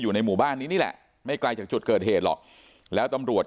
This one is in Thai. อยู่ในหมู่บ้านนี้นี่แหละไม่ไกลจากจุดเกิดเหตุหรอกแล้วตำรวจ